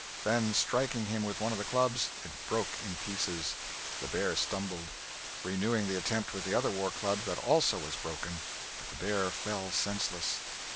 Then striking him with one of the clubs, it broke in pieces; the bear stumbled. Renewing the attempt with the other war club, that also was broken, but the bear fell senseless.